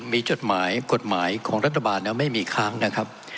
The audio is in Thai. มีจดหมายกฎหมายของรัฐบาลแล้วไม่มีค้างนะครับ